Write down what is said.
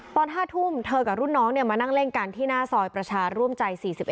ตอน๕ทุ่มเธอกับรุ่นน้องมานั่งเล่นกันที่หน้าซอยประชาร่วมใจ๔๑